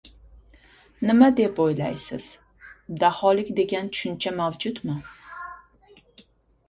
Nima deb o‘ylaysiz, daholik degan tushuncha mavjudmi?